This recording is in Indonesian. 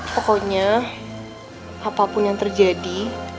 pokoknya apapun yang terjadi